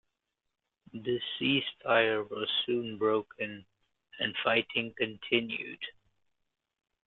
This ceasefire was soon broken and fighting continued.